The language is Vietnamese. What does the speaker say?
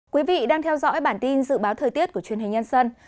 quý vị đang theo dõi bản tin dự báo thời tiết của truyền hình nhân dân